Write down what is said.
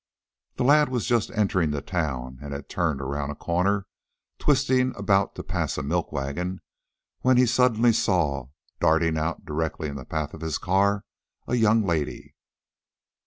The lad was just entering the town, and had turned around a corner, twisting about to pass a milk wagon, when he suddenly saw, darting out directly in the path of his car, a young lady.